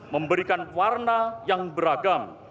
memberikan warna yang beragam